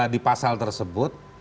di pasal tersebut